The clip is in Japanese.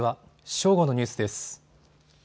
正午のニュースです。